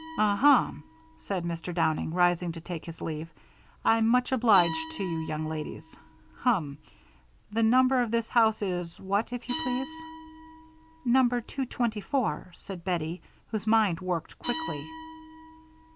"Ah hum," said Mr. Downing, rising to take his leave. "I'm much obliged to you young ladies. Hum the number of this house is what, if you please?" "Number 224," said Bettie, whose mind worked quickly.